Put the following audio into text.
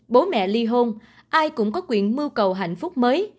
bố mẹ ly hôn ai cũng có quyền mưu cầu hạnh phúc mới